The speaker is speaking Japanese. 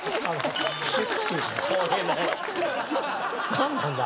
何なんだ？